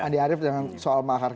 andi arief dengan soal mahar